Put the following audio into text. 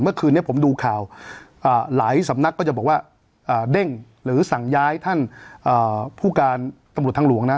เมื่อคืนนี้ผมดูข่าวหลายสำนักก็จะบอกว่าเด้งหรือสั่งย้ายท่านผู้การตำรวจทางหลวงนะ